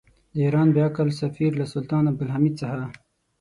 د ایران بې عقل سفیر له سلطان عبدالحمید څخه.